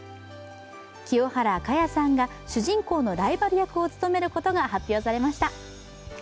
清原果耶さんが主人公のライバル役を務めることが発表されました。